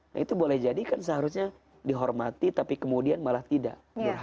nah itu boleh jadi kan seharusnya dihormati tapi kemudian malah tidak